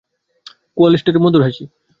কোয়ালিস্টদের মধুর হাসি।